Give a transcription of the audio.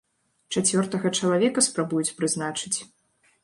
Чацвёртага чалавека спрабуюць прызначыць.